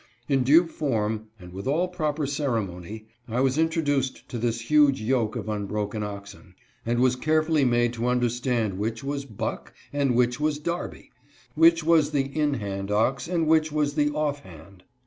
In due form, and with all proper ceremony, I was introduced to this huge yoke of unbroken oxen, and was carefully made to un derstand which was " Buck," and which was " Darby," —• which was the " in hand " ox, and which was the " off hand."